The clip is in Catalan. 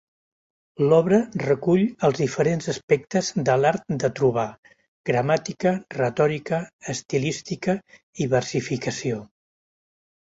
L'obra recull els diferents aspectes de l'art de trobar: gramàtica, retòrica, estilística i versificació.